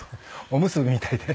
おむすびみたいで。